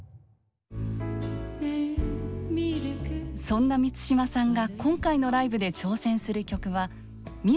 そんな満島さんが今回のライブで挑戦する曲は「ミルク３２」。